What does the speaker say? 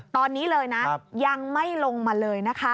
ตอนนี้เลยนะยังไม่ลงมาเลยนะคะ